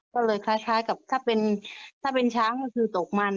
ก็เลยคล้ายกับถ้าเป็นช้างก็คือตกมัน